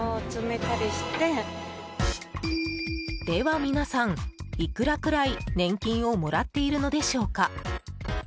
では皆さん、いくらくらい年金をもらっているのでしょうか。